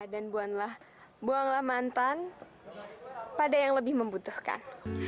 dan buanglah mantan pada yang lebih membutuhkan